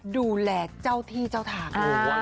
ดูแลเจ้าที่เจ้าทาง